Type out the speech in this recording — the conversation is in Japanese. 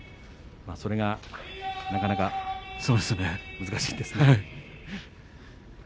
それがなかなか難しいんですね。